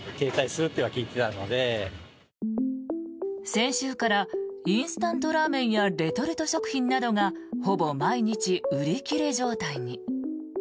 先週からインスタントラーメンやレトルト食品などがほぼ毎日売り切れ状態に。